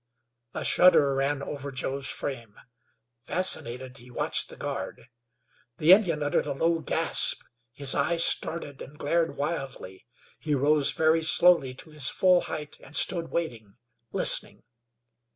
A shudder ran over Joe's frame. Fascinated, he watched the guard. The Indian uttered a low gasp; his eyes started and glared wildly; he rose very slowly to his full height and stood waiting, listening.